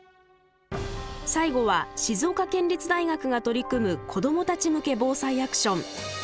最後は静岡県立大学が取り組む子どもたち向けＢＯＳＡＩアクション。